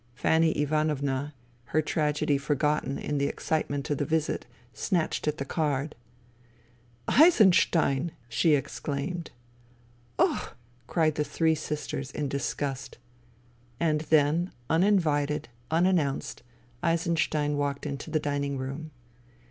Fanny Ivanovna, her tragedy forgotten in the excitement of the visit, snatched at the card. " Eisenstein !" she exclaimed. " Och !" cried the three sisters in disgust. And then, uninvited, unannounced, Eisenstein walked into the dining room.